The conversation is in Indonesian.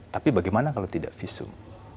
tapi bagaimana kalau tidak visum